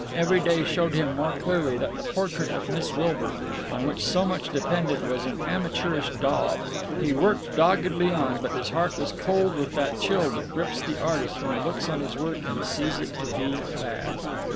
Every day showed him more clearly that the portrait of Miss Wilbur, on which so much depended, was an amateurish daub. He worked doggedly on, but his heart was cold with that chill that grips the artist when he looks on his work and sees it to be bad.